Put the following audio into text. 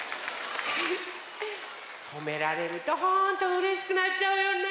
ほめられるとほんとうれしくなっちゃうよね。